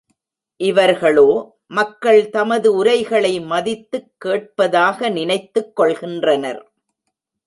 இவர்களோ, மக்கள் தமது உரைகளை மதித்து கேட்பதாக நினைத்துக் கொள்கின்றனர்.